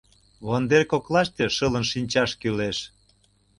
— Вондер коклаш шылын шинчаш кӱлеш.